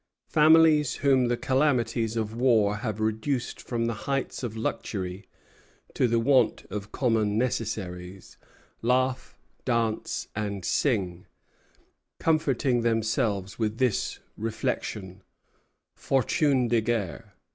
Families whom the calamities of war have reduced from the height of luxury to the want of common necessaries laugh, dance, and sing, comforting themselves with this reflection Fortune de guerre.